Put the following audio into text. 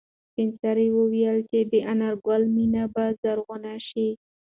سپین سرې وویل چې د انارګل مېنه به زرغونه شي.